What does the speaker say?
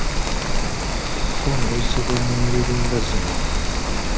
Akongozzebwa mu ngeri nga zino